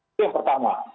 itu yang pertama